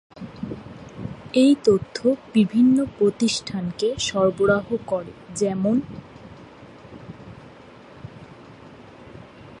এই তথ্য বিভিন্ন প্রতিষ্ঠানকে সরবরাহ করে, যেমন-